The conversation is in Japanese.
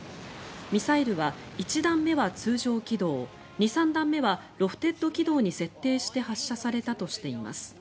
ミサイルは１段目は通常軌道２、３段目はロフテッド軌道に設定して発射したとされています。